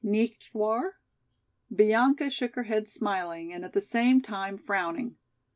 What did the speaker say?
Nicht war?" Bianca shook her head, smiling and at the same time frowning.